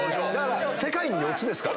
世界に４つですから。